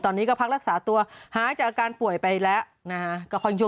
ตอนนี้ก็ภาครักษาตัวหาจากอาการป่วยไปและนะฮะก็ค่อยยล่ะ